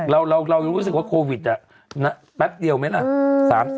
เรายังรู้สึกว่าโควิดแป๊บเดียวไหมล่ะ